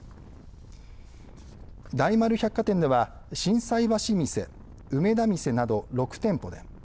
大丸百貨店では心斎橋店梅田店など６店舗で。